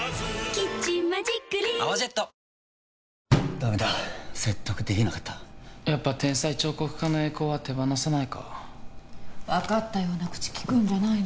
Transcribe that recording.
ダメだ説得できなかったやっぱ天才彫刻家の栄光は手放せないか分かったような口きくんじゃないの